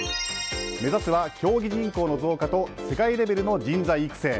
目指すは、競技人口の増加と世界レベルの人材育成。